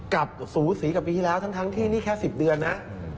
กับสูสีกับปีที่แล้วทั้งที่นี่แค่๑๐เดือนนะ